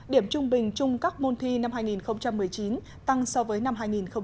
điểm trung bình chung các môn thi năm hai nghìn một mươi chín tăng so với năm hai nghìn một mươi tám